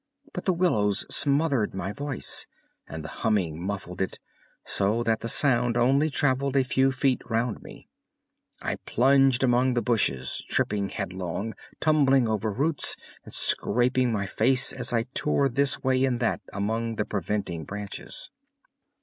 But the willows smothered my voice, and the humming muffled it, so that the sound only traveled a few feet round me. I plunged among the bushes, tripping headlong, tumbling over roots, and scraping my face as I tore this way and that among the preventing branches.